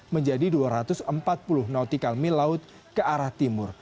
menjadi dua ratus empat puluh nautical mil laut ke arah timur